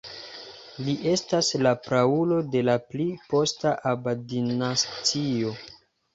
Li estas la praulo de la pli posta Aba-dinastio.